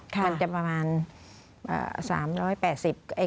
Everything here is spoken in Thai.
มันจะประมาณ๓๘๐บาท